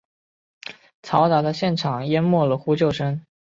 嘈杂的现场淹没了呼救声。